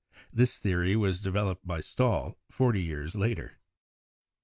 This theory was developed by Stahl forty years later.